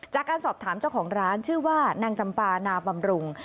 จากการสอบถามเจ้าของร้านชื่อว่านางจำปานาบำรุง